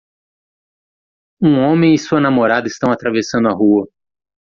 Um homem e sua namorada estão atravessando a rua.